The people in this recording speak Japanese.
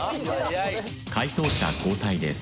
解答者交代です。